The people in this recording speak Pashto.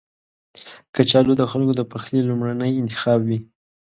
کچالو د خلکو د پخلي لومړنی انتخاب وي